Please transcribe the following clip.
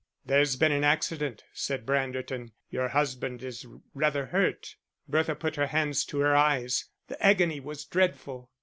"There's been an accident," said Branderton "your husband is rather hurt." Bertha put her hands to her eyes, the agony was dreadful.